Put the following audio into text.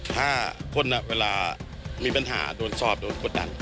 ถ้าคนเวลามีปัญหาโดนสอบโดนกดดัน